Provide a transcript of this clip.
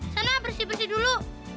sana bersih bersih dulu